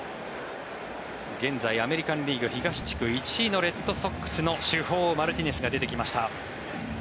現在アメリカン・リーグ東地区１位のレッドソックスの主砲、マルティネスが出てきました。